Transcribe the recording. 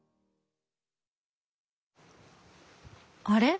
あれ？